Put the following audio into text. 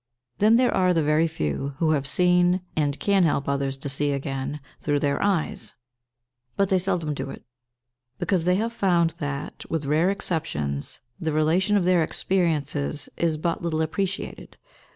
Then there are the very few who have seen, and can help others to see again, through their eyes; but they seldom do it, because they have found that, with rare exceptions, the relation of their experiences is but little appreciated.